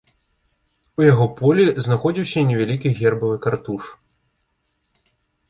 У яго полі знаходзіўся невялікі гербавы картуш.